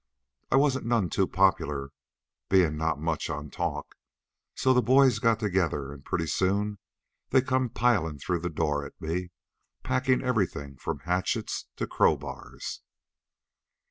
"I wasn't none too popular, bein' not much on talk, so the boys got together and pretty soon they come pilin' through the door at me, packin' everything from hatchets to crowbars.